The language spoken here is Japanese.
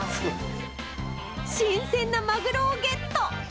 新鮮なマグロをゲット。